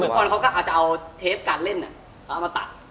พุทธปอนด์เขาก็จะเอาเทปการเล่นเนี่ยเขาเอามาตัด